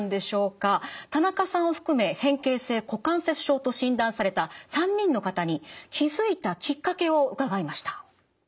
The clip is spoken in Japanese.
田中さんを含め変形性股関節症と診断された３人の方に気付いたきっかけを伺いました。